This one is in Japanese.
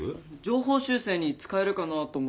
情報修正に使えるかなと思って。